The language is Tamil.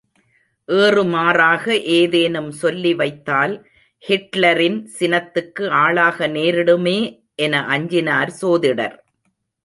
ஏறுமாறாக ஏதேனும் சொல்லி வைத்தால், ஹிட்லரின் சினத்துக்கு ஆளாக நேரிடுமே என அஞ்சினார் சோதிடர்.